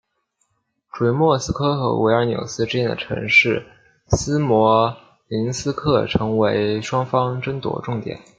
处于莫斯科和维尔纽斯之间的城市斯摩棱斯克成为双方争夺重点。